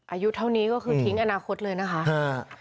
อายุเท่านี้ก็คือทิ้งอนาคตเลยนะคะ